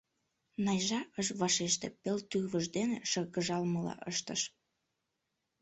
Найжа ыш вашеште, пел тӱрвыж дене шыргыжалмыла ыштыш.